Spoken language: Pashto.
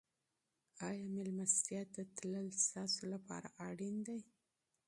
آیا مېلمستیا ته تلل ستاسو لپاره اړین دي؟